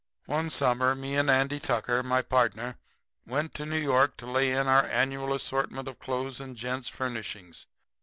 "One summer me and Andy Tucker, my partner, went to New York to lay in our annual assortment of clothes and gents' furnishings.